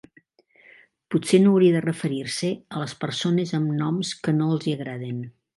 Potser no hauria de referir-se a les persones amb noms que no els hi agraden.